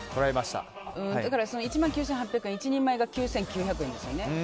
だから１万９８００円１人前が９９００円ですよね。